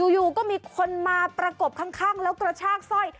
อยู่ก็มีคนมาประกบข้างแล้วกระชากสร้อย